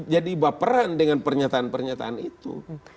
jadi berperan dengan pernyataan pernyataan itu